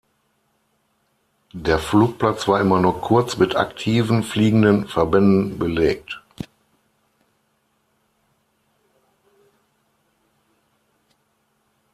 Der Flugplatz war immer nur kurz mit aktiven fliegenden Verbänden belegt.